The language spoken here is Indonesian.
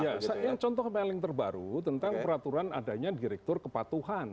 ya saya ingin contoh meling terbaru tentang peraturan adanya direktur kepatuhan